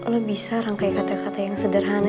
lo bisa rangkai kata kata yang sederhana